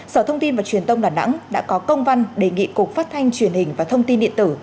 sở thông tin và truyền thông đà nẵng đã có công văn đề nghị cục phát thanh truyền hình và thông tin điện tử